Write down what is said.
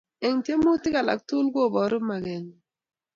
Eng tiemutik alak tugul ko boru kamugengung